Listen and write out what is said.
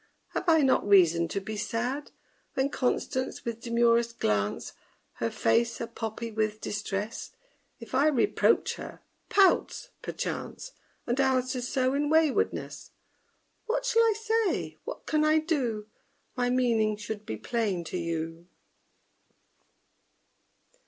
Have I not reason to be sad When CONSTANCE, with demurest glance, Her face a poppy with distress, If I reproach her, pouts, perchance, And answers so in waywardness? _What shall I say? what can I do? My meaning should be plain to you!